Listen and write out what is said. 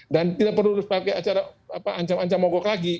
dan tidak perlu pakai acara ancam ancam mogok lagi